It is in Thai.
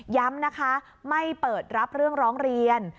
ย้ำนะคะไม่เปิดรับเรื่องร้องเรียน